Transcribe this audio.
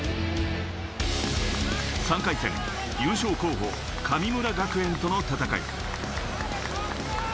３回戦、優勝候補・神村学園との戦い。